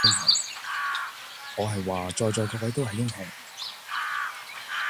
我係話在座各位都係精英